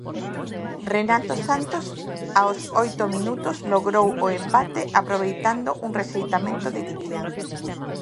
Renato Santos, aos oito minutos, logrou o empate, aproveitando un rexeitamento de Guitián.